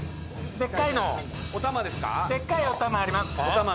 でっかいおたまあります？